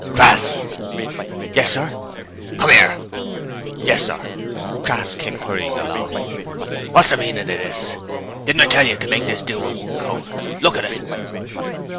'Crass!' 'Yes, sir.' 'Come here!' 'Yes, sir.' Crass came hurrying along. 'What's the meaning of this? Didn't I tell you to make this do with one coat? Look at it!'